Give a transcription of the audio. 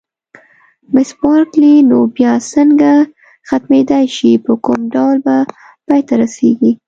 مس بارکلي: نو بیا څنګه ختمېدای شي، په کوم ډول به پای ته رسېږي؟